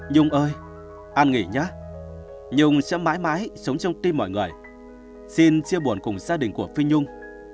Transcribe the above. nhung ơi an nghỉ nhát nhung sẽ mãi mãi sống trong tim mọi người xin chia buồn cùng gia đình của phi nhung